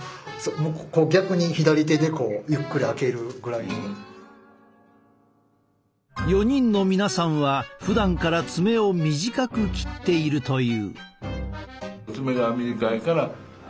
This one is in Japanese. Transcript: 特に４人の皆さんはふだんから爪を短く切っているという。